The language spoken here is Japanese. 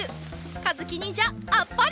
かずきにんじゃあっぱれ！